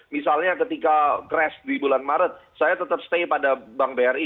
misalnya ketika crash di bulan maret saya tetap stay pada bank bri